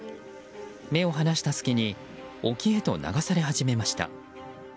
目を離した隙に沖へと流され始めました。